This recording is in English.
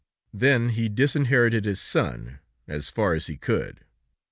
Then he disinherited his son, as far as he could.